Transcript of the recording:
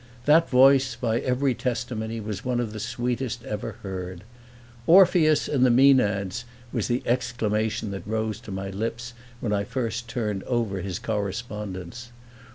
That voice, by every testimony, was one of the sweetest ever heard. "Orpheus and the Maenads!" was the exclamation that rose to my lips when I first turned over his correspondence.